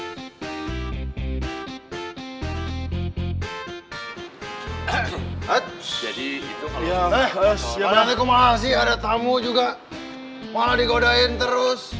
eh berarti kumah sih ada tamu juga malah digodain terus